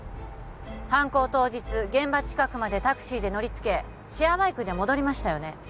犯行当日現場近くまでタクシーで乗りつけシェアバイクで戻りましたよね